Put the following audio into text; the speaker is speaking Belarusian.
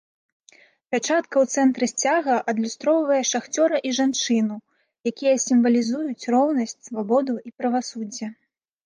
Пячатка у цэнтры сцяга адлюстроўвае шахцёра і жанчыну, якія сімвалізуюць роўнасць, свабоду і правасуддзе.